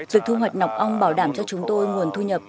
việc thu hoạch nọc ong bảo đảm cho chúng tôi nguồn thu nhập